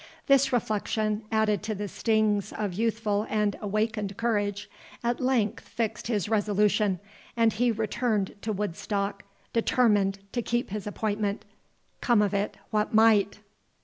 This reflection, added to the stings of youthful and awakened courage, at length fixed his resolution, and he returned to Woodstock determined to keep his appointment, come of it what might.